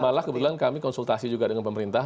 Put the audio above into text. malah kebetulan kami konsultasi juga dengan pemerintah